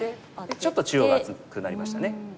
ちょっと中央が厚くなりましたね。